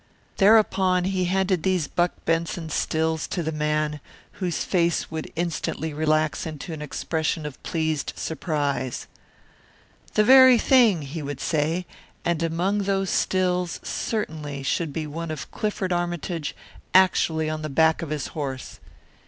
Thereupon he handed these Buck Benson stills to the man, whose face would instantly relax into an expression of pleased surprise. "The very thing," he would say. And among those stills, certainly, should be one of Clifford Armytage actually on the back of his horse.